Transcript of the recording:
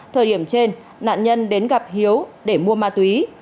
thời điểm trên nạn nhân đến gặp hiếu để mua ma túy